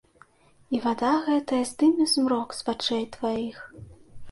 І вада гэтая здыме змрок з вачэй тваіх.